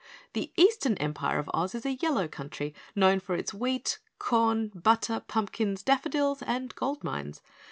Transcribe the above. The Eastern Empire of Oz is a yellow country, known for its wheat, corn, butter, pumpkins, daffodils, and gold mines.